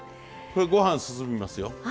これご飯進みますよ。